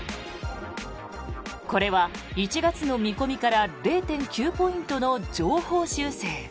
これは１月の見込みから０．９ポイントの上方修正。